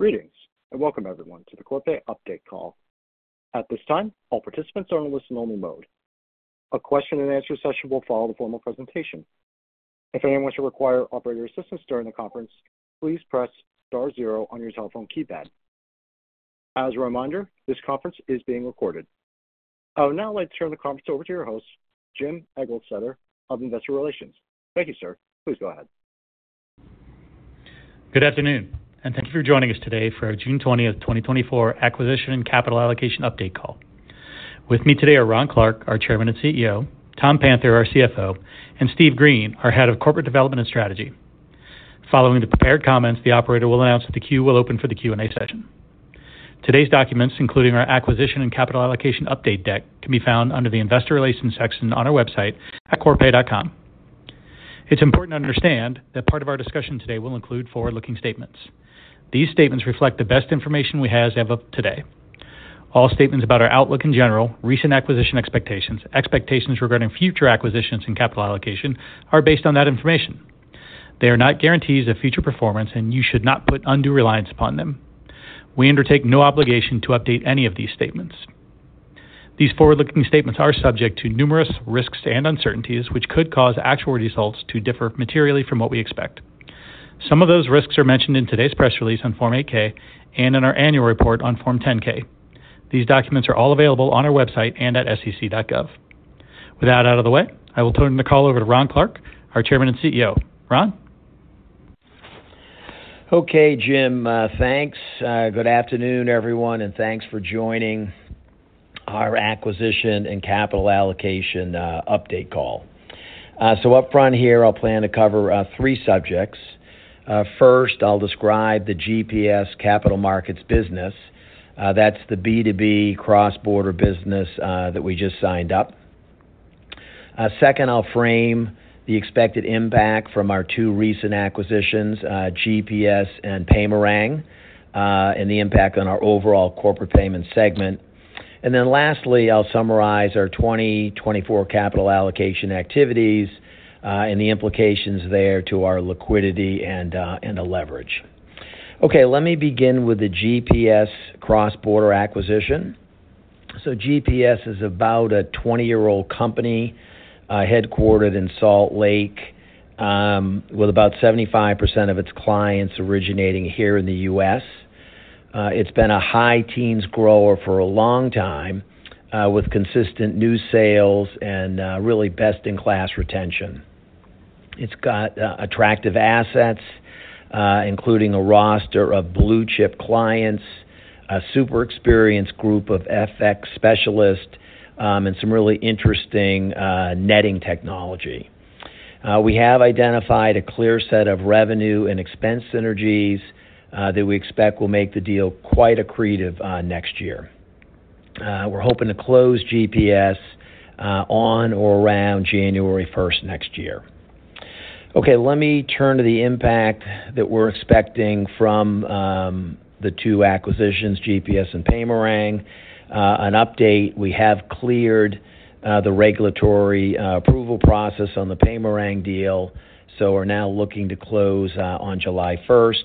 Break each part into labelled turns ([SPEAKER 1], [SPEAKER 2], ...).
[SPEAKER 1] Greetings, and welcome everyone to the Corpay Update Call. At this time, all participants are in a listen-only mode. A question-and-answer session will follow the formal presentation. If anyone wants to require operator assistance during the conference, please press star zero on your telephone keypad. As a reminder, this conference is being recorded. I would now like to turn the conference over to your host, Jim Eglseder, of Investor Relations. Thank you, sir. Please go ahead.
[SPEAKER 2] Good afternoon, and thank you for joining us today for our June 20th, 2024, Acquisition and Capital Allocation Update Call. With me today are Ron Clarke, our Chairman and CEO; Tom Panther, our CFO; and Steve Greene, our Head of Corporate Development and Strategy. Following the prepared comments, the operator will announce that the queue will open for the Q&A session. Today's documents, including our Acquisition and Capital Allocation Update Deck, can be found under the Investor Relations section on our website at corpay.com. It's important to understand that part of our discussion today will include forward-looking statements. These statements reflect the best information we have today. All statements about our outlook in general, recent acquisition expectations, and expectations regarding future acquisitions and capital allocation are based on that information. They are not guarantees of future performance, and you should not put undue reliance upon them. We undertake no obligation to update any of these statements. These forward-looking statements are subject to numerous risks and uncertainties, which could cause actual results to differ materially from what we expect. Some of those risks are mentioned in today's press release on Form 8-K and in our annual report on Form 10-K. These documents are all available on our website and at sec.gov. With that out of the way, I will turn the call over to Ron Clarke, our Chairman and CEO. Ron?
[SPEAKER 3] Okay, Jim, thanks. Good afternoon, everyone, and thanks for joining our Acquisition and Capital Allocation Update Call. Up front here, I'll plan to cover three subjects. First, I'll describe the GPS Capital Markets business. That's the B2B cross-border business that we just signed up. Second, I'll frame the expected impact from our two recent acquisitions, GPS and Paymerang, and the impact on our overall corporate payment segment. Then lastly, I'll summarize our 2024 capital allocation activities and the implications there to our liquidity and leverage. Okay, let me begin with the GPS cross-border acquisition. So GPS is about a 20-year-old company headquartered in Salt Lake with about 75% of its clients originating here in the U.S. It's been a high teens grower for a long time with consistent new sales and really best-in-class retention. It's got attractive assets, including a roster of blue-chip clients, a super experienced group of FX specialists, and some really interesting netting technology. We have identified a clear set of revenue and expense synergies that we expect will make the deal quite accretive next year. We're hoping to close GPS on or around January 1st next year. Okay, let me turn to the impact that we're expecting from the two acquisitions, GPS and Paymerang, an update. We have cleared the regulatory approval process on the Paymerang deal, so we're now looking to close on July 1st.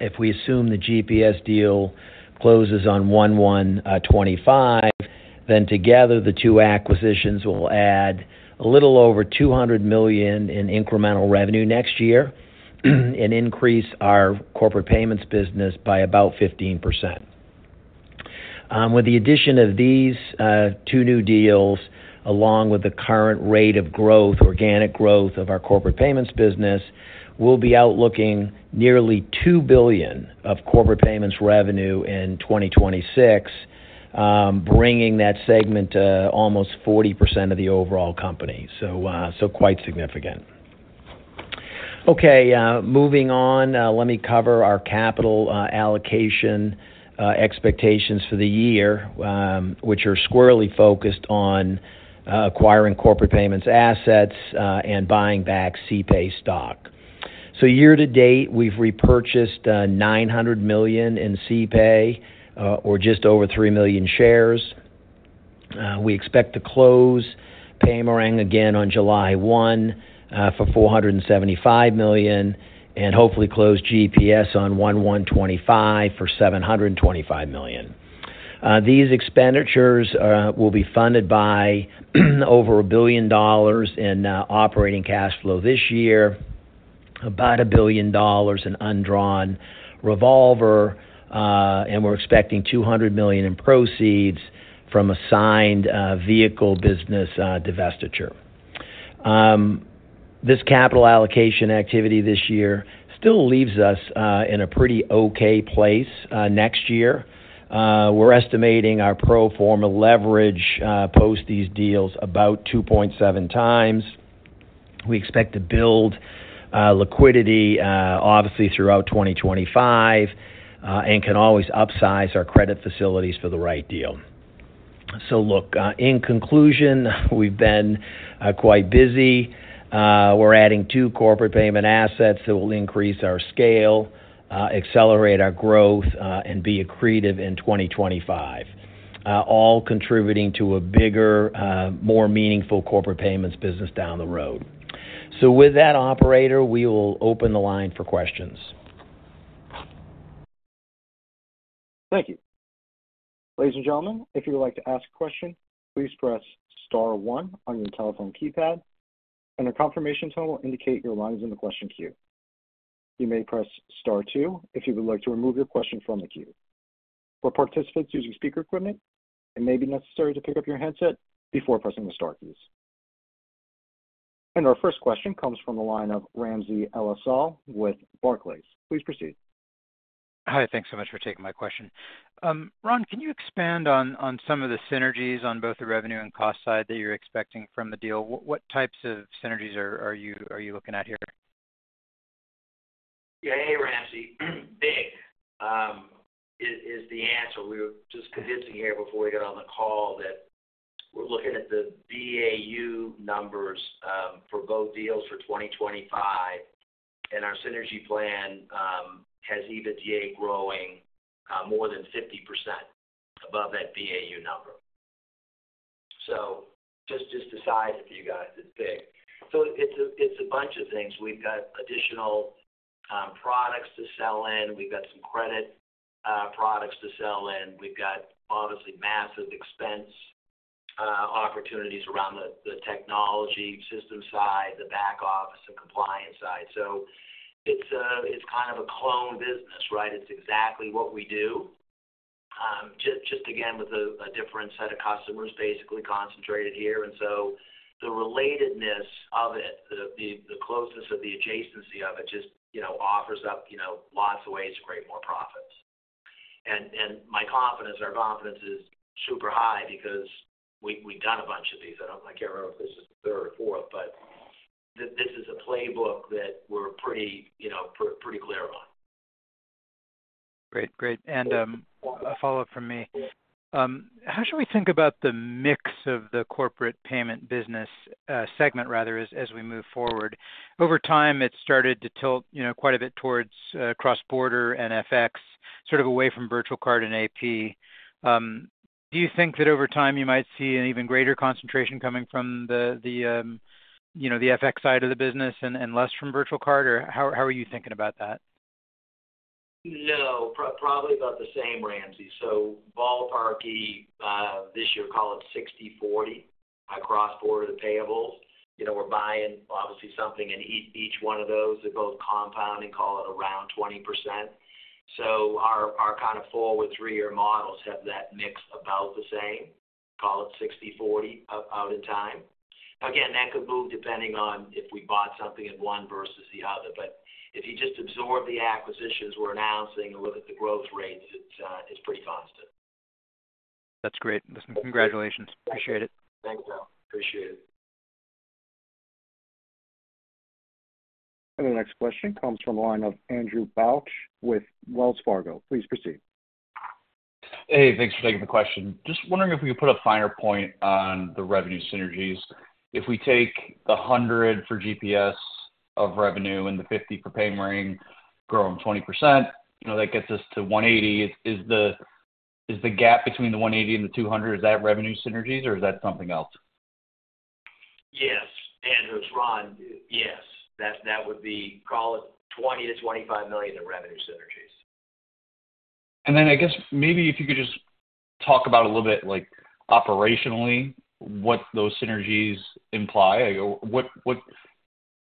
[SPEAKER 3] If we assume the GPS deal closes on 1/1/2025, then together the two acquisitions will add a little over $200 million in incremental revenue next year and increase our corporate payments business by about 15%. With the addition of these two new deals, along with the current rate of growth, organic growth of our corporate payments business, we'll be outlooking nearly $2 billion of corporate payments revenue in 2026, bringing that segment to almost 40% of the overall company. So quite significant. Okay, moving on, let me cover our capital allocation expectations for the year, which are squarely focused on acquiring corporate payments assets and buying back CPAY stock. So year to date, we've repurchased $900 million in CPAY or just over three million shares. We expect to close Paymerang again on July 1 for $475 million and hopefully close GPS on 1/1/2025 for $725 million. These expenditures will be funded by over $1 billion in operating cash flow this year, about $1 billion in undrawn revolver, and we're expecting $200 million in proceeds from a signed vehicle business divestiture. This capital allocation activity this year still leaves us in a pretty okay place next year. We're estimating our pro forma leverage post these deals about 2.7 times. We expect to build liquidity, obviously, throughout 2025 and can always upsize our credit facilities for the right deal. So look, in conclusion, we've been quite busy. We're adding two corporate payment assets that will increase our scale, accelerate our growth, and be accretive in 2025, all contributing to a bigger, more meaningful corporate payments business down the road. So with that, operator, we will open the line for questions.
[SPEAKER 1] Thank you. Ladies and gentlemen, if you would like to ask a question, please press star one on your telephone keypad, and a confirmation tone will indicate your line is in the question queue. You may press star two if you would like to remove your question from the queue. For participants using speaker equipment, it may be necessary to pick up your handset before pressing the star keys. And our first question comes from the line of Ramsey El-Assal with Barclays. Please proceed.
[SPEAKER 4] Hi, thanks so much for taking my question. Ron, can you expand on some of the synergies on both the revenue and cost side that you're expecting from the deal? What types of synergies are you looking at here?
[SPEAKER 3] Yeah, hey, Ramsey. Big is the answer. We were just convincing here before we got on the call that we're looking at the BAU numbers for both deals for 2025, and our synergy plan has EBITDA growing more than 50% above that BAU number. So just decide if you guys it's big. So it's a bunch of things. We've got additional products to sell in. We've got some credit products to sell in. We've got obviously massive expense opportunities around the technology system side, the back office, the compliance side. So it's kind of a clone business, right? It's exactly what we do, just again with a different set of customers basically concentrated here. And so the relatedness of it, the closeness of the adjacency of it just offers up lots of ways to create more profits. My confidence, our confidence is super high because we've done a bunch of these. I can't remember if this is the third or fourth, but this is a playbook that we're pretty clear on.
[SPEAKER 4] Great. Great. And a follow-up from me. How should we think about the mix of the corporate payment business segment, rather, as we move forward? Over time, it started to tilt quite a bit towards cross-border and FX, sort of away from virtual card and AP. Do you think that over time you might see an even greater concentration coming from the FX side of the business and less from virtual card, or how are you thinking about that?
[SPEAKER 3] No, probably about the same, Ramsey. So ballparking this year, call it 60/40 cross-border payables. We're buying obviously something in each one of those. They're both compounding, call it around 20%. So our kind of forward three-year models have that mix about the same, call it 60/40 out in time. Again, that could move depending on if we bought something in one versus the other. But if you just absorb the acquisitions we're announcing and look at the growth rates, it's pretty constant.
[SPEAKER 4] That's great. Congratulations. Appreciate it.
[SPEAKER 3] Thanks, Ram. Appreciate it.
[SPEAKER 1] The next question comes from the line of Andrew Bauch with Wells Fargo. Please proceed.
[SPEAKER 5] Hey, thanks for taking the question. Just wondering if we could put a finer point on the revenue synergies. If we take the 100 for GPS of revenue and the 50 for Paymerang growing 20%, that gets us to 180. Is the gap between the 180 and the 200, is that revenue synergies, or is that something else?
[SPEAKER 3] Yes. Andrew, it's Ron. Yes. That would be, call it $20 million-$25 million in revenue synergies.
[SPEAKER 5] I guess maybe if you could just talk about a little bit operationally what those synergies imply? What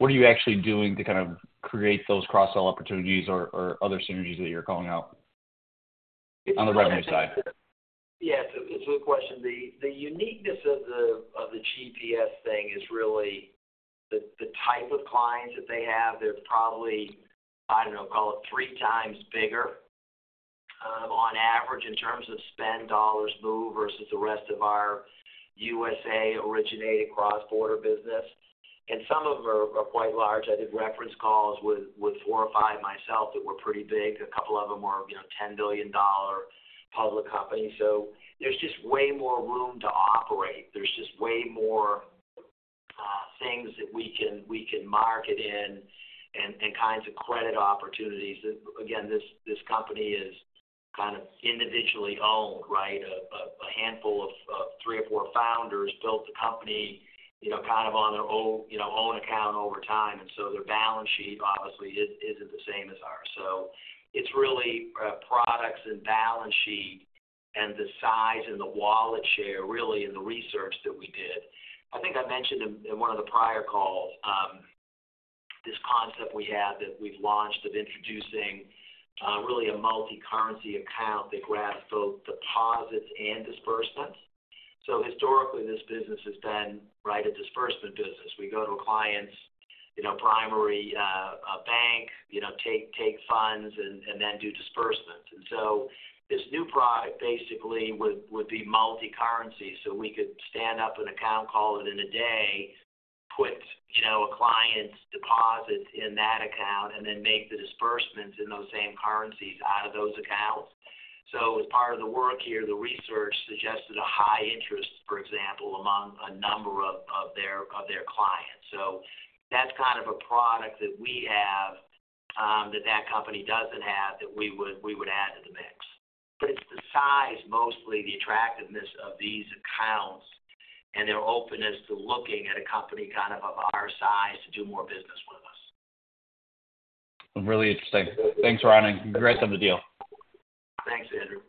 [SPEAKER 5] are you actually doing to kind of create those cross-sell opportunities or other synergies that you're calling out on the revenue side?
[SPEAKER 3] Yes. It's a good question. The uniqueness of the GPS thing is really the type of clients that they have. They're probably, I don't know, call it three times bigger on average in terms of spend dollars move versus the rest of our USA originated cross-border business. And some of them are quite large. I did reference calls with four or five myself that were pretty big. A couple of them were $10 billion public companies. So there's just way more room to operate. There's just way more things that we can market in and kinds of credit opportunities. Again, this company is kind of individually owned, right? A handful of three or four founders built the company kind of on their own account over time. And so their balance sheet obviously isn't the same as ours. So it's really products and balance sheet and the size and the wallet share really in the research that we did. I think I mentioned in one of the prior calls this concept we have that we've launched of introducing really a multi-currency account that grabs both deposits and disbursements. So historically, this business has been a disbursement business. We go to a client's primary bank, take funds, and then do disbursements. And so this new product basically would be multi-currency. So we could stand up an account, call it in a day, put a client's deposit in that account, and then make the disbursements in those same currencies out of those accounts. So as part of the work here, the research suggested a high interest, for example, among a number of their clients. So that's kind of a product that we have that that company doesn't have that we would add to the mix. But it's the size, mostly the attractiveness of these accounts and their openness to looking at a company kind of of our size to do more business with us.
[SPEAKER 6] Really interesting. Thanks, Ron. Congrats on the deal.
[SPEAKER 3] Thanks, Andrew.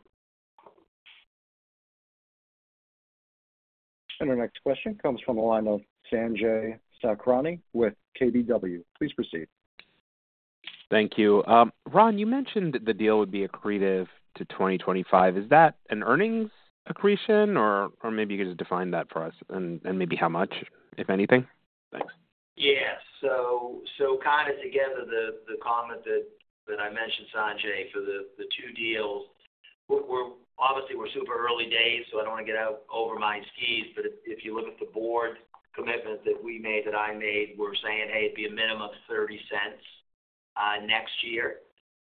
[SPEAKER 1] Our next question comes from the line of Sanjay Sakhrani with KBW. Please proceed.
[SPEAKER 7] Thank you. Ron, you mentioned that the deal would be accretive to 2025. Is that an earnings accretion, or maybe you could just define that for us and maybe how much, if anything? Thanks.
[SPEAKER 3] Yes. So kind of together the comment that I mentioned, Sanjay, for the two deals, obviously we're super early days, so I don't want to get out over my skis, but if you look at the board commitment that we made, that I made, we're saying, "Hey, it'd be a minimum of $0.30 next year."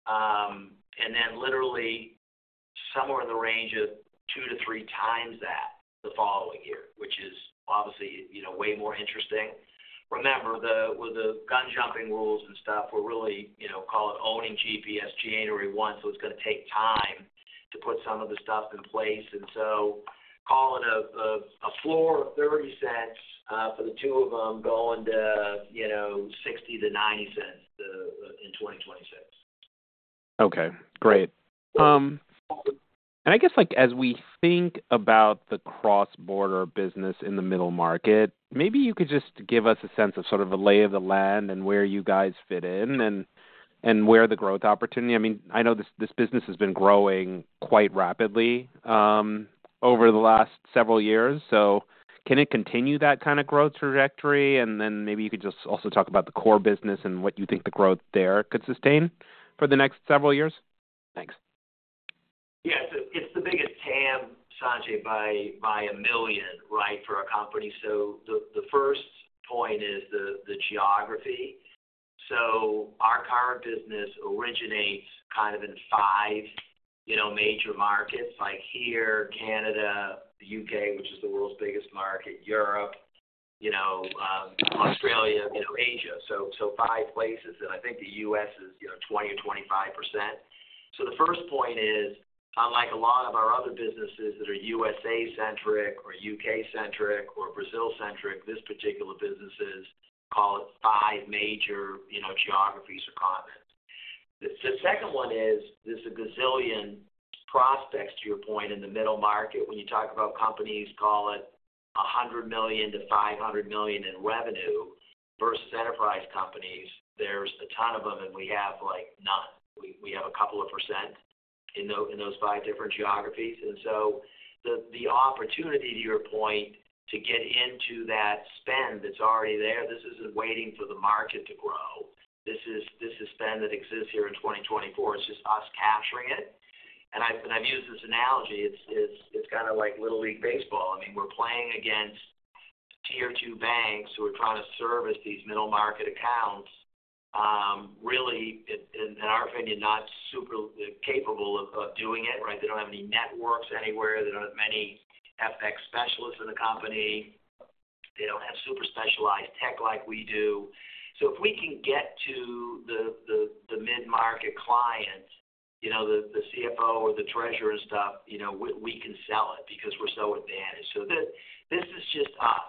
[SPEAKER 3] And then literally somewhere in the range of 2-3 times that the following year, which is obviously way more interesting. Remember, with the gun-jumping rules and stuff, we're really, call it owning GPS January 1, so it's going to take time to put some of the stuff in place. And so call it a floor of $0.30 for the two of them going to $0.60-$0.90 in 2026.
[SPEAKER 7] Okay. Great. And I guess as we think about the cross-border business in the middle market, maybe you could just give us a sense of sort of a lay of the land and where you guys fit in and where the growth opportunity, I mean, I know this business has been growing quite rapidly over the last several years. So can it continue that kind of growth trajectory? And then maybe you could just also talk about the core business and what you think the growth there could sustain for the next several years. Thanks.
[SPEAKER 3] Yeah. So it's the biggest TAM, Sanjay, by a million, right, for a company. So the first point is the geography. So our current business originates kind of in five major markets like here, Canada, the U.K., which is the world's biggest market, Europe, Australia, Asia. So five places. And I think the U.S. is 20%-25%. So the first point is, unlike a lot of our other businesses that are USA-centric or U.K.-centric or Brazil-centric, this particular business is, call it five major geographies or continents. The second one is there's a gazillion prospects, to your point, in the middle market. When you talk about companies, call it $100 million-$500 million in revenue versus enterprise companies, there's a ton of them, and we have none. We have a couple of % in those five different geographies. And so the opportunity, to your point, to get into that spend that's already there, this isn't waiting for the market to grow. This is spend that exists here in 2024. It's just us capturing it. And I've used this analogy. It's kind of like Little League Baseball. I mean, we're playing against tier two banks who are trying to service these middle market accounts, really, in our opinion, not super capable of doing it, right? They don't have any networks anywhere. They don't have many FX specialists in the company. They don't have super specialized tech like we do. So if we can get to the mid-market client, the CFO or the treasurer and stuff, we can sell it because we're so advantaged. So this is just us.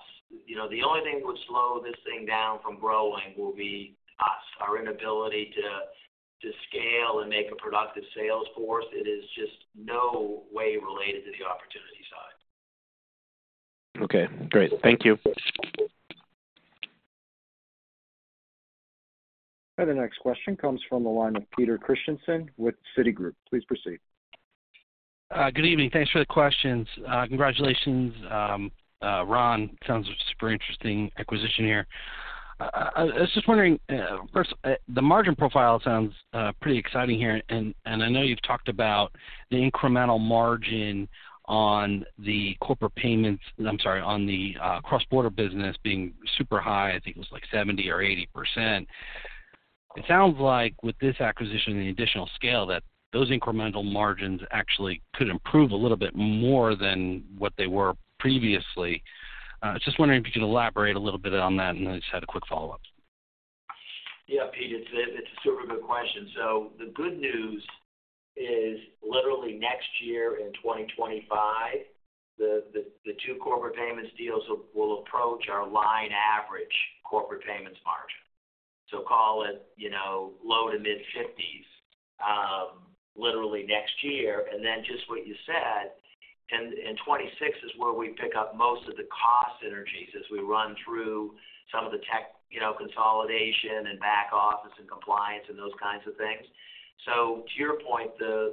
[SPEAKER 3] The only thing that would slow this thing down from growing will be us, our inability to scale and make a productive sales force. It is just no way related to the opportunity side.
[SPEAKER 7] Okay. Great. Thank you.
[SPEAKER 1] The next question comes from the line of Peter Christiansen with Citigroup. Please proceed.
[SPEAKER 8] Good evening. Thanks for the questions. Congratulations, Ron. Sounds like a super interesting acquisition here. I was just wondering, first, the margin profile sounds pretty exciting here. And I know you've talked about the incremental margin on the corporate payments, I'm sorry, on the cross-border business being super high. I think it was like 70% or 80%. It sounds like with this acquisition and the additional scale, that those incremental margins actually could improve a little bit more than what they were previously. I was just wondering if you could elaborate a little bit on that, and then just had a quick follow-up.
[SPEAKER 3] Yeah, Pete, it's a super good question. So the good news is literally next year in 2025, the two corporate payments deals will approach our line average corporate payments margin. So call it low to mid-50s% literally next year. And then just what you said, in 2026 is where we pick up most of the cost synergies as we run through some of the tech consolidation and back office and compliance and those kinds of things. So to your point, the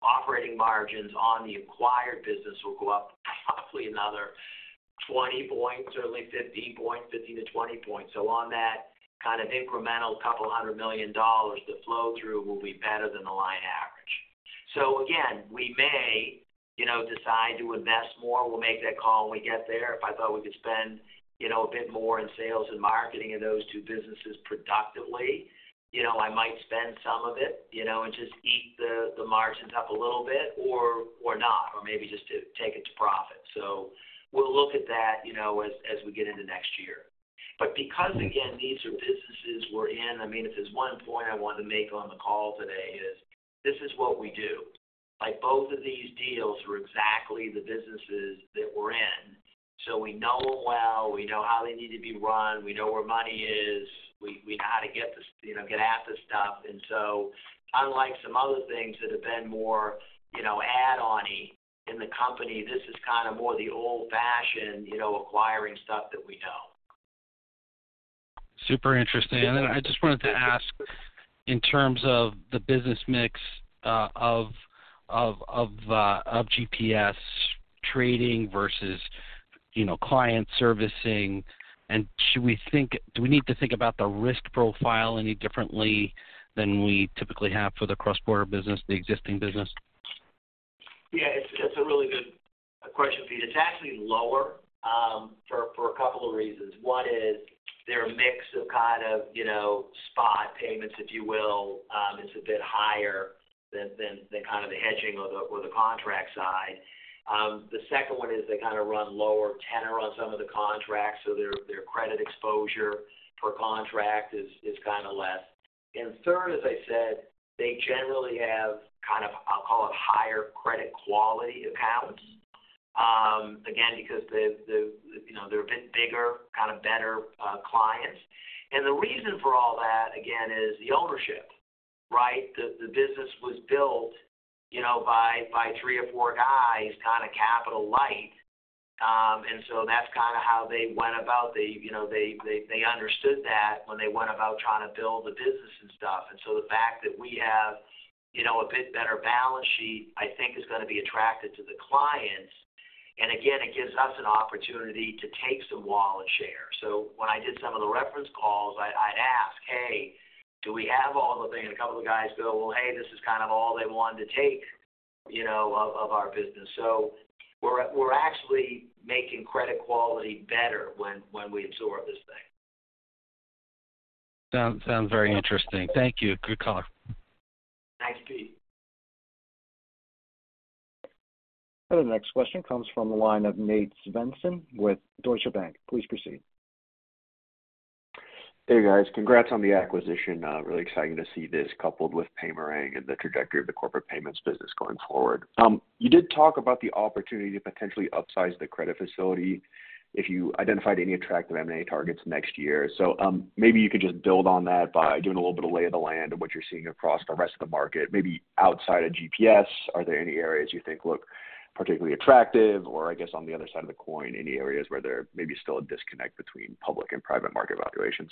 [SPEAKER 3] operating margins on the acquired business will go up probably another 20 points, certainly 15 points, 15-20 points. So on that kind of incremental couple hundred million dollars, the flow through will be better than the line average. So again, we may decide to invest more. We'll make that call when we get there. If I thought we could spend a bit more in sales and marketing of those two businesses productively, I might spend some of it and just eat the margins up a little bit or not, or maybe just take it to profit. We'll look at that as we get into next year. But because, again, these are businesses we're in, I mean, if there's one point I want to make on the call today is this is what we do. Both of these deals are exactly the businesses that we're in. So we know them well. We know how they need to be run. We know where money is. We know how to get at this stuff. And so unlike some other things that have been more add-on-y in the company, this is kind of more the old-fashioned acquiring stuff that we know.
[SPEAKER 8] Super interesting. I just wanted to ask, in terms of the business mix of GPS trading versus client servicing, and should we think, do we need to think about the risk profile any differently than we typically have for the cross-border business, the existing business?
[SPEAKER 3] Yeah. It's a really good question, Pete. It's actually lower for a couple of reasons. One is they're a mix of kind of spot payments, if you will. It's a bit higher than kind of the hedging or the contract side. The second one is they kind of run lower tenor on some of the contracts, so their credit exposure per contract is kind of less. And third, as I said, they generally have kind of, I'll call it, higher credit quality accounts, again, because they're a bit bigger, kind of better clients. And the reason for all that, again, is the ownership, right? The business was built by three or four guys kind of capital light. And so that's kind of how they went about. They understood that when they went about trying to build the business and stuff. The fact that we have a bit better balance sheet, I think, is going to be attractive to the clients. Again, it gives us an opportunity to take some wallet share. So when I did some of the reference calls, I'd ask, "Hey, do we have all the things?" A couple of guys go, "Well, hey, this is kind of all they wanted to take of our business." We're actually making credit quality better when we absorb this thing.
[SPEAKER 8] Sounds very interesting. Thank you. Good call.
[SPEAKER 3] Thanks, Pete.
[SPEAKER 1] The next question comes from the line of Nate Svensson with Deutsche Bank. Please proceed.
[SPEAKER 9] Hey, guys. Congrats on the acquisition. Really exciting to see this coupled with Paymerang and the trajectory of the corporate payments business going forward. You did talk about the opportunity to potentially upsize the credit facility if you identified any attractive M&A targets next year. So maybe you could just build on that by doing a little bit of lay of the land of what you're seeing across the rest of the market, maybe outside of GPS. Are there any areas you think look particularly attractive? Or I guess on the other side of the coin, any areas where there may be still a disconnect between public and private market valuations?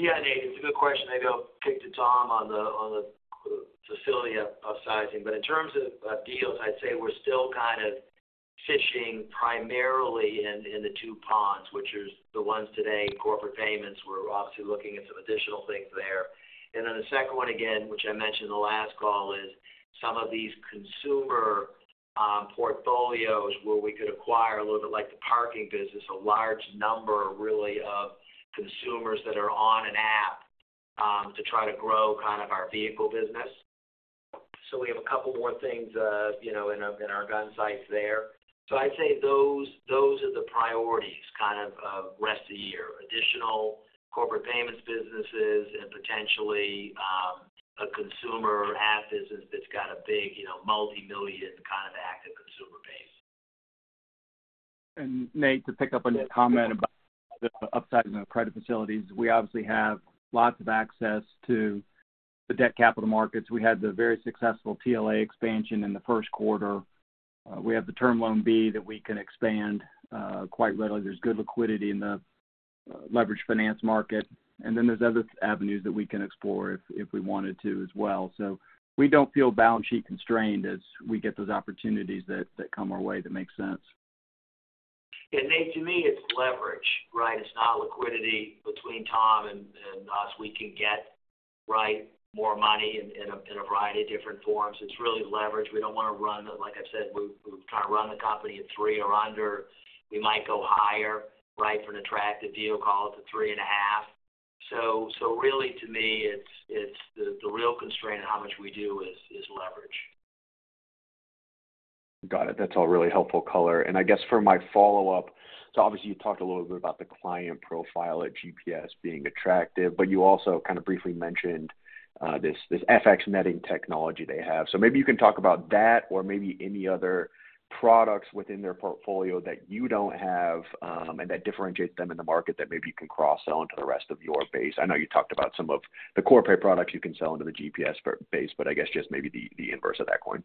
[SPEAKER 3] Yeah, Nate. It's a good question. I know I pitched it to Tom on the facility upsizing. But in terms of deals, I'd say we're still kind of fishing primarily in the two ponds, which are the ones today, corporate payments. We're obviously looking at some additional things there. And then the second one, again, which I mentioned in the last call, is some of these consumer portfolios where we could acquire a little bit like the parking business, a large number really of consumers that are on an app to try to grow kind of our vehicle business. So we have a couple more things in our gun sights there. So I'd say those are the priorities kind of rest of the year. Additional corporate payments businesses and potentially a consumer app business that's got a big multi-million kind of active consumer base.
[SPEAKER 10] Nate, to pick up on your comment about the upsizing of credit facilities, we obviously have lots of access to the debt capital markets. We had the very successful TLA expansion in the first quarter. We have the term loan B that we can expand quite readily. There's good liquidity in the leveraged finance market. And then there's other avenues that we can explore if we wanted to as well. We don't feel balance sheet constrained as we get those opportunities that come our way that make sense.
[SPEAKER 3] Nate, to me, it's leverage, right? It's not liquidity between Tom and us. We can get right more money in a variety of different forms. It's really leverage. We don't want to run, like I said, we're trying to run the company at three or under. We might go higher, right, for an attractive deal, call it the 3.5. So really, to me, it's the real constraint of how much we do is leverage.
[SPEAKER 9] Got it. That's all really helpful color. And I guess for my follow-up, so obviously you talked a little bit about the client profile at GPS being attractive, but you also kind of briefly mentioned this FX netting technology they have. So maybe you can talk about that or maybe any other products within their portfolio that you don't have and that differentiate them in the market that maybe you can cross-sell into the rest of your base. I know you talked about some of the corporate products you can sell into the GPS base, but I guess just maybe the inverse of that coin.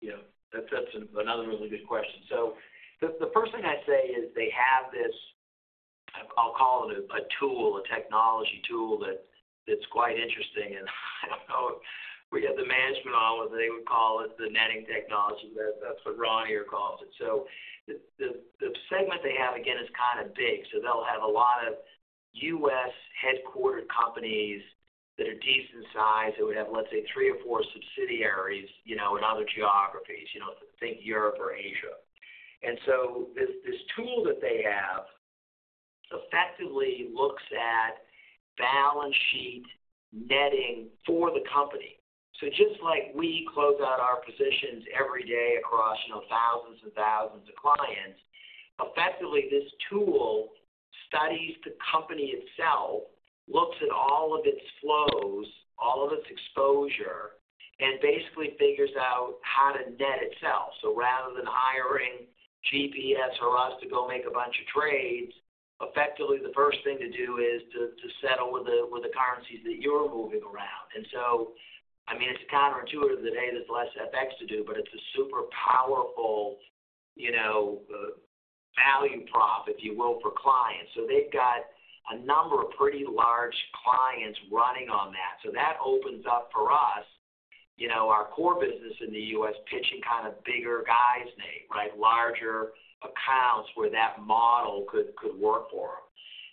[SPEAKER 3] Yeah. That's another really good question. So the first thing I'd say is they have this, I'll call it a tool, a technology tool that's quite interesting. And I don't know if we have the management on what they would call it, the netting technology. That's what Ron here calls it. So the segment they have, again, is kind of big. So they'll have a lot of U.S. headquartered companies that are decent size that would have, let's say, three or four subsidiaries in other geographies, think Europe or Asia. And so this tool that they have effectively looks at balance sheet netting for the company. So just like we close out our positions every day across thousands and thousands of clients, effectively this tool studies the company itself, looks at all of its flows, all of its exposure, and basically figures out how to net itself. So rather than hiring GPS or us to go make a bunch of trades, effectively the first thing to do is to settle with the currencies that you're moving around. And so, I mean, it's counterintuitive today. There's less FX to do, but it's a super powerful value prop, if you will, for clients. So they've got a number of pretty large clients running on that. So that opens up for us, our core business in the U.S., pitching kind of bigger guys, Nate. Right? Larger accounts where that model could work for them.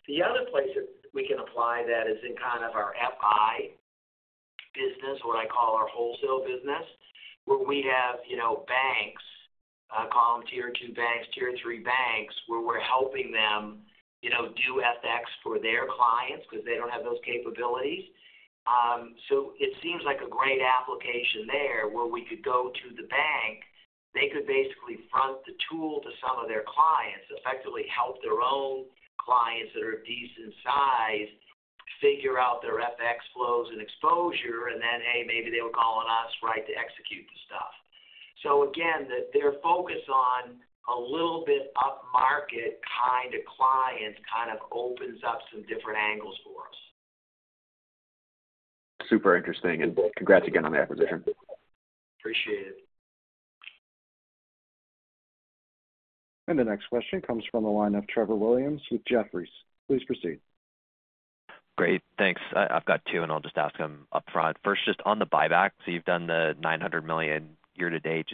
[SPEAKER 3] The other place that we can apply that is in kind of our FI business, what I call our wholesale business, where we have banks, I'll call them tier two banks, tier three banks, where we're helping them do FX for their clients because they don't have those capabilities. It seems like a great application there where we could go to the bank. They could basically front the tool to some of their clients, effectively help their own clients that are decent size, figure out their FX flows and exposure, and then, hey, maybe they would call on us, right, to execute the stuff. Again, their focus on a little bit upmarket kind of client kind of opens up some different angles for us.
[SPEAKER 9] Super interesting. Congrats again on the acquisition.
[SPEAKER 3] Appreciate it.
[SPEAKER 1] The next question comes from the line of Trevor Williams with Jefferies. Please proceed.
[SPEAKER 11] Great. Thanks. I've got two, and I'll just ask them upfront. First, just on the buyback. So you've done the $900 million year to date.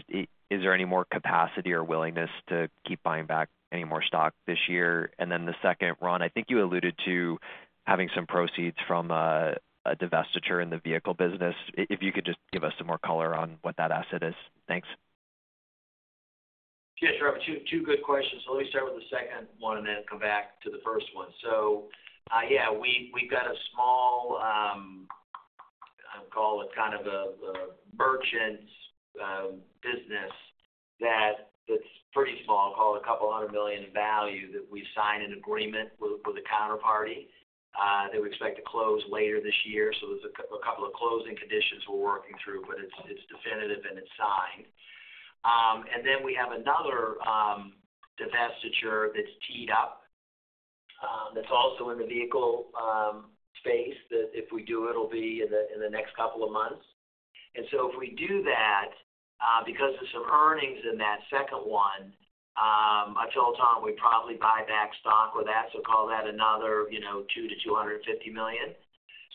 [SPEAKER 11] Is there any more capacity or willingness to keep buying back any more stock this year? And then the second, Ron, I think you alluded to having some proceeds from a divestiture in the vehicle business. If you could just give us some more color on what that asset is. Thanks.
[SPEAKER 3] Yeah, Trevor, two good questions. So let me start with the second one and then come back to the first one. So yeah, we've got a small, I'll call it kind of a merchant business that's pretty small, called $200 million in value that we signed an agreement with a counterparty that we expect to close later this year. So there's a couple of closing conditions we're working through, but it's definitive and it's signed. And then we have another divestiture that's teed up that's also in the vehicle space that if we do, it'll be in the next couple of months. And so if we do that, because there's some earnings in that second one, I told Tom we'd probably buy back stock with that. So call that another $200 million-$250 million.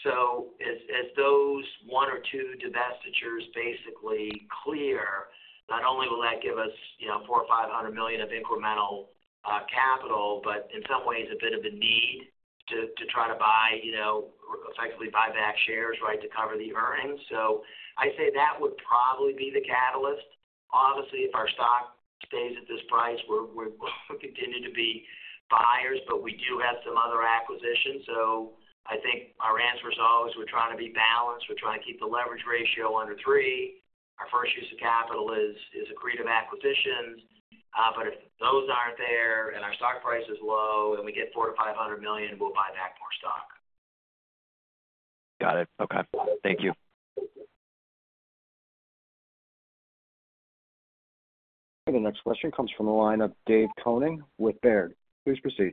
[SPEAKER 3] As those one or two divestitures basically clear, not only will that give us $400-$500 million of incremental capital, but in some ways a bit of a need to try to buy, effectively buy back shares, right, to cover the earnings. So I'd say that would probably be the catalyst. Obviously, if our stock stays at this price, we'll continue to be buyers, but we do have some other acquisitions. So I think our answer is always we're trying to be balanced. We're trying to keep the leverage ratio under 3. Our first use of capital is accretive acquisitions. But if those aren't there and our stock price is low and we get $400-$500 million, we'll buy back more stock.
[SPEAKER 11] Got it. Okay. Thank you.
[SPEAKER 1] The next question comes from the line of David Koning with Baird. Please proceed.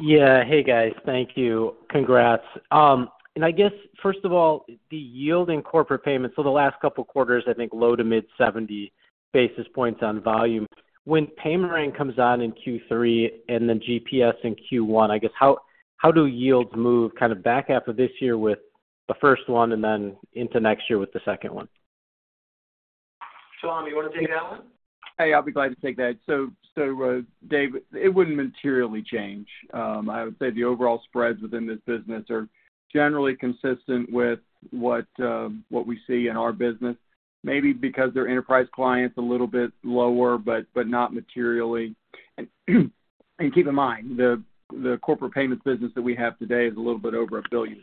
[SPEAKER 12] Yeah. Hey, guys. Thank you. Congrats. And I guess, first of all, the yield in corporate payments, so the last couple of quarters, I think low to mid-70 basis points on volume. When Paymerang comes on in Q3 and then GPS in Q1, I guess, how do yields move kind of back after this year with the first one and then into next year with the second one?
[SPEAKER 3] Tom, you want to take that one?
[SPEAKER 10] Hey, I'll be glad to take that. So Dave, it wouldn't materially change. I would say the overall spreads within this business are generally consistent with what we see in our business, maybe because they're enterprise clients a little bit lower, but not materially. And keep in mind, the corporate payments business that we have today is a little bit over $1 billion.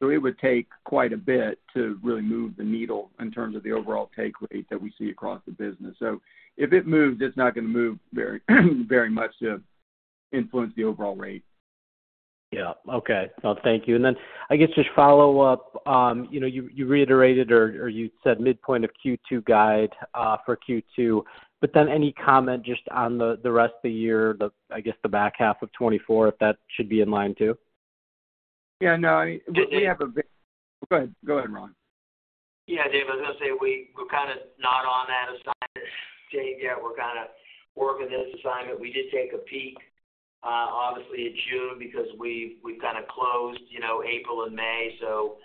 [SPEAKER 10] So it would take quite a bit to really move the needle in terms of the overall take rate that we see across the business. So if it moves, it's not going to move very much to influence the overall rate.
[SPEAKER 12] Yeah. Okay. Well, thank you. And then I guess just follow-up. You reiterated or you said midpoint of Q2 guide for Q2. But then any comment just on the rest of the year, I guess the back half of 2024, if that should be in line too?
[SPEAKER 10] Yeah. No. I mean, we have a. Go ahead, go ahead, Ron.
[SPEAKER 3] Yeah, Dave, I was going to say we're kind of not on that assignment. Dave, yeah, we're kind of working this assignment. We did take a peek, obviously, in June because we've kind of closed April and May. So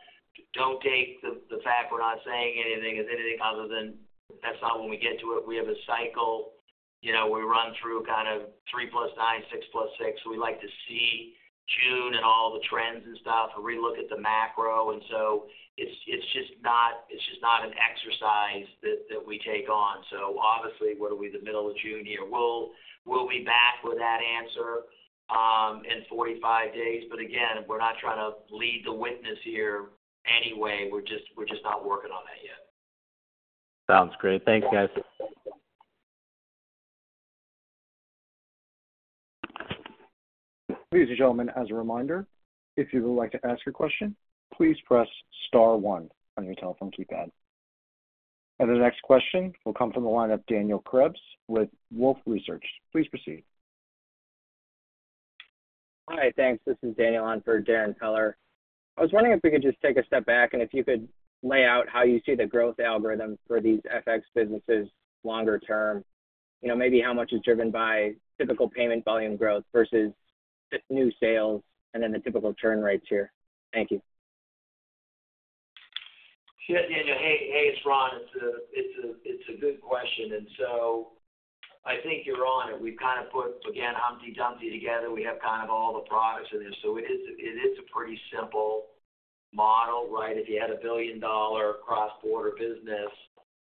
[SPEAKER 3] don't take the fact we're not saying anything as anything other than that's not when we get to it. We have a cycle. We run through kind of 3 + 9, 6 + 6. We like to see June and all the trends and stuff and relook at the macro. And so it's just not an exercise that we take on. So obviously, we're in the middle of June here? We'll be back with that answer in 45 days. But again, we're not trying to lead the witness here anyway. We're just not working on that yet.
[SPEAKER 12] Sounds great. Thanks, guys.
[SPEAKER 1] Ladies and gentlemen, as a reminder, if you would like to ask your question, please press star one on your telephone keypad. The next question will come from the line of Daniel Krebs with Wolfe Research. Please proceed.
[SPEAKER 13] Hi. Thanks. This is Daniel on for Darrin Keller. I was wondering if we could just take a step back and if you could lay out how you see the growth algorithm for these FX businesses longer term, maybe how much is driven by typical payment volume growth versus new sales and then the typical churn rates here? Thank you.
[SPEAKER 3] Yeah, Daniel. Hey, it's Ron. It's a good question. And so I think you're on it. We've kind of put, again, Humpty Dumpty together. We have kind of all the products in there. So it is a pretty simple model, right? If you had a billion-dollar cross-border business,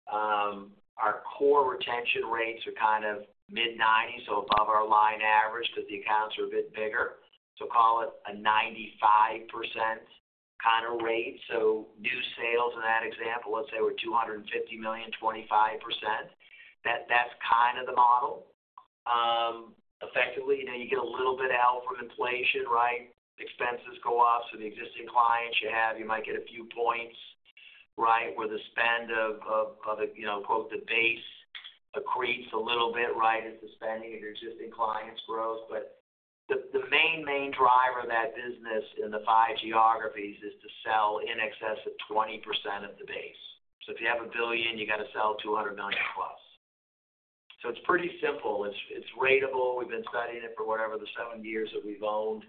[SPEAKER 3] our core retention rates are kind of mid-90, so above our line average because the accounts are a bit bigger. So call it a 95% kind of rate. So new sales in that example, let's say we're $250 million, 25%. That's kind of the model. Effectively, you get a little bit out from inflation, right? Expenses go up. So the existing clients you have, you might get a few points, right, where the spend of, quote, the base accretes a little bit, right, as the spending of your existing clients grows. But the main driver of that business in the five geographies is to sell in excess of 20% of the base. So if you have $1 billion, you got to sell $200 million plus. So it's pretty simple. It's ratable. We've been studying it for whatever the seven years that we've owned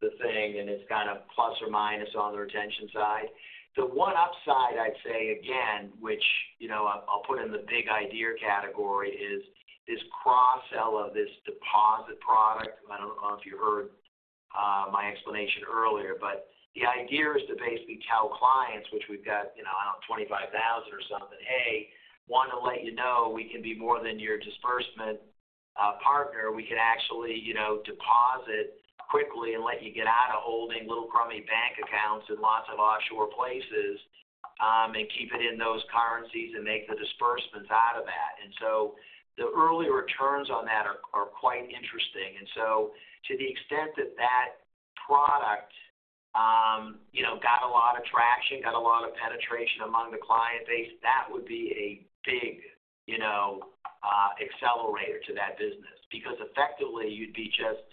[SPEAKER 3] the thing, and it's kind of plus or minus on the retention side. The one upside, I'd say, again, which I'll put in the big idea category, is cross-sell of this deposit product. I don't know if you heard my explanation earlier, but the idea is to basically tell clients, which we've got, I don't know, 25,000 or something, "Hey, want to let you know we can be more than your disbursement partner. We can actually deposit quickly and let you get out of holding little crummy bank accounts in lots of offshore places and keep it in those currencies and make the disbursements out of that. And so the early returns on that are quite interesting. And so to the extent that that product got a lot of traction, got a lot of penetration among the client base, that would be a big accelerator to that business. Because effectively, you'd be just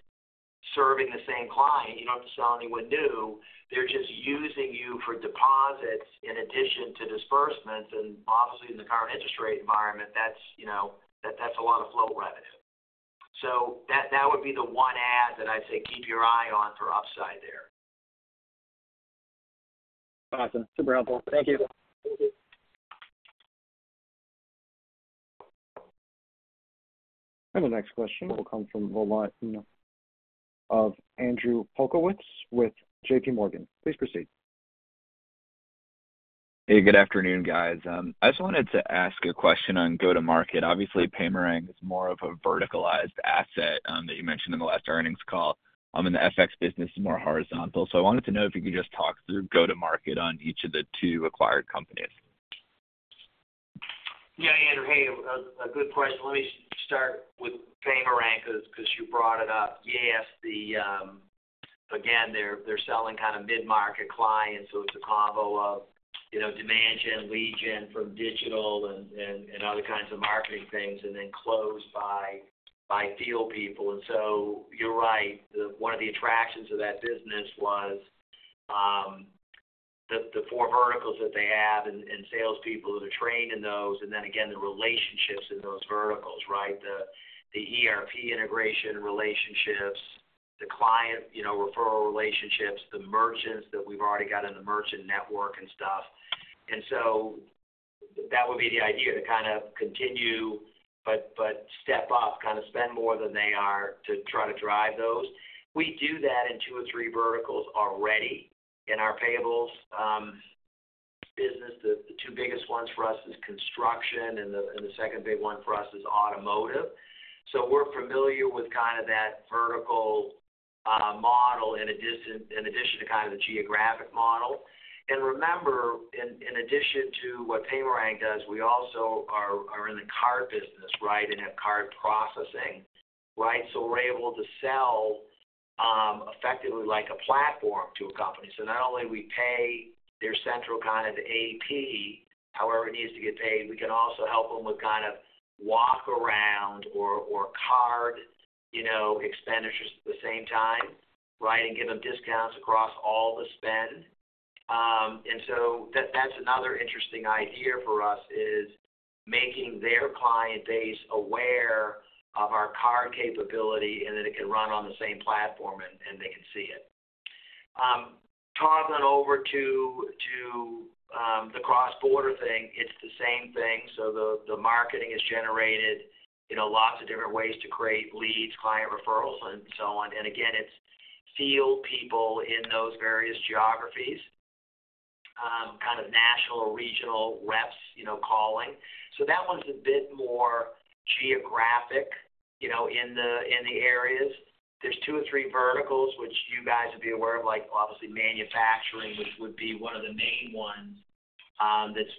[SPEAKER 3] serving the same client. You don't have to sell anyone new. They're just using you for deposits in addition to disbursements. And obviously, in the current interest rate environment, that's a lot of flow revenue. So that would be the one add that I'd say keep your eye on for upside there.
[SPEAKER 13] Awesome. Super helpful. Thank you.
[SPEAKER 1] The next question will come from the line of Andrew Polkowitz with J.P. Morgan. Please proceed.
[SPEAKER 14] Hey, good afternoon, guys. I just wanted to ask a question on go-to-market. Obviously, Paymerang is more of a verticalized asset that you mentioned in the last earnings call. And the FX business is more horizontal. So I wanted to know if you could just talk through go-to-market on each of the two acquired companies.
[SPEAKER 3] Yeah, Andrew. Hey, a good question. Let me start with Paymerang because you brought it up. Yes, again, they're selling kind of mid-market clients. So it's a combo of demand gen, lead gen from digital and other kinds of marketing things, and then closed by field people. And so you're right. One of the attractions of that business was the four verticals that they have and salespeople that are trained in those. And then again, the relationships in those verticals, right? The ERP integration relationships, the client referral relationships, the merchants that we've already got in the merchant network and stuff. And so that would be the idea, to kind of continue but step up, kind of spend more than they are to try to drive those. We do that in two or three verticals already in our payables business. The two biggest ones for us is construction, and the second big one for us is automotive. So we're familiar with kind of that vertical model in addition to kind of the geographic model. And remember, in addition to what Paymerang does, we also are in the card business, right, and have card processing, right? So we're able to sell effectively like a platform to a company. So not only do we pay their central kind of AP, however it needs to get paid, we can also help them with kind of walk around or card expenditures at the same time, right, and give them discounts across all the spend. And so that's another interesting idea for us, is making their client base aware of our card capability and that it can run on the same platform and they can see it. Turning to the cross-border thing, it's the same thing. The marketing is generated in lots of different ways to create leads, client referrals, and so on. Again, it's field people in those various geographies, kind of national or regional reps calling. That one's a bit more geographic in the areas. There's two or three verticals which you guys would be aware of, like obviously manufacturing, which would be one of the main ones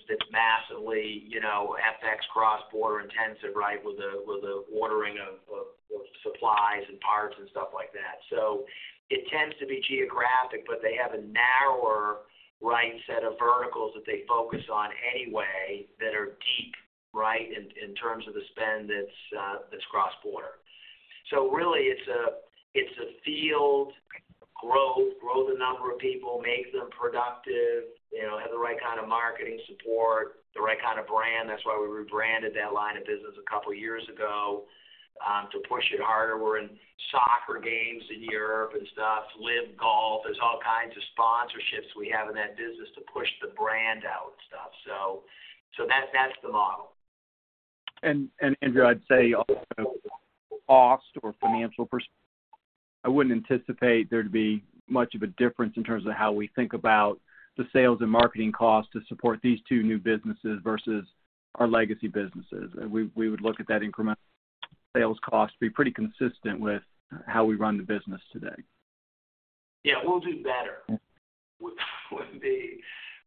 [SPEAKER 3] that's massively FX cross-border intensive, right, with the ordering of supplies and parts and stuff like that. It tends to be geographic, but they have a narrower right set of verticals that they focus on anyway that are deep, right, in terms of the spend that's cross-border. So really, it's a field growth, grow the number of people, make them productive, have the right kind of marketing support, the right kind of brand. That's why we rebranded that line of business a couple of years ago to push it harder. We're in soccer games in Europe and stuff, LIV Golf. There's all kinds of sponsorships we have in that business to push the brand out and stuff. So that's the model.
[SPEAKER 14] And Andrew, I'd say also cost or financial. I wouldn't anticipate there to be much of a difference in terms of how we think about the sales and marketing costs to support these two new businesses versus our legacy businesses. We would look at that incremental sales cost to be pretty consistent with how we run the business today.
[SPEAKER 3] Yeah. We'll do better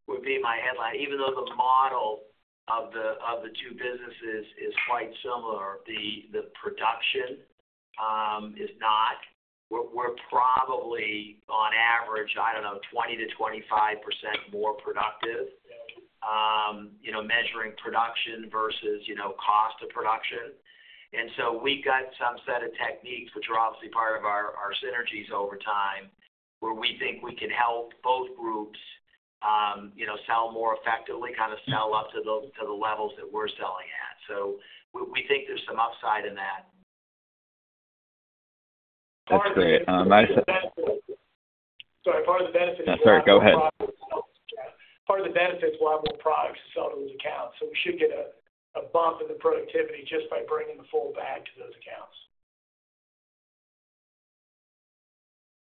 [SPEAKER 3] would be my headline. Even though the model of the two businesses is quite similar, the production is not. We're probably on average, I don't know, 20%-25% more productive, measuring production versus cost of production. And so we've got some set of techniques, which are obviously part of our synergies over time, where we think we can help both groups sell more effectively, kind of sell up to the levels that we're selling at. So we think there's some upside in that.
[SPEAKER 14] That's great.
[SPEAKER 3] Sorry. Part of the benefit is we'll have more products.
[SPEAKER 14] Sorry. Go ahead.
[SPEAKER 3] Part of the benefit is we'll have more products to sell to those accounts. So we should get a bump in the productivity just by bringing the full bag to those accounts.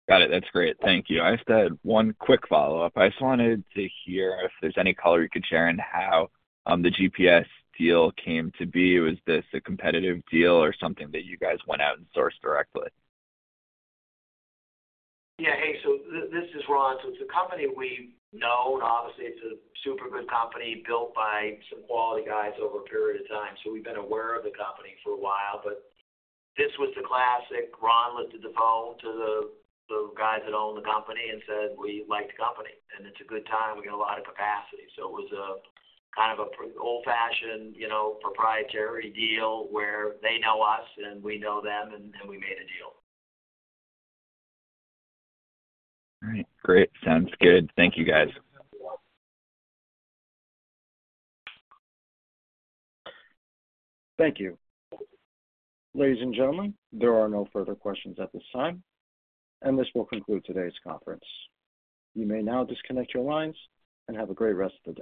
[SPEAKER 14] Got it. That's great. Thank you. I just had one quick follow-up. I just wanted to hear if there's any color you could share in how the GPS deal came to be. Was this a competitive deal or something that you guys went out and sourced directly?
[SPEAKER 3] Yeah. Hey, so this is Ron. So it's a company we've known. Obviously, it's a super good company built by some quality guys over a period of time. So we've been aware of the company for a while. But this was the classic, Ron lifted the phone to the guys that own the company and said, "We like the company. And it's a good time. We got a lot of capacity." So it was kind of an old-fashioned proprietary deal where they know us and we know them and we made a deal.
[SPEAKER 14] All right. Great. Sounds good. Thank you, guys.
[SPEAKER 1] Thank you. Ladies and gentlemen, there are no further questions at this time. This will conclude today's conference. You may now disconnect your lines and have a great rest of the day.